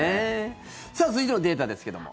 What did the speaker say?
さあ続いてのデータですけども。